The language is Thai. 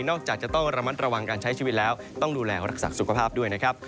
จากจะต้องระมัดระวังการใช้ชีวิตแล้วต้องดูแลรักษาสุขภาพด้วยนะครับ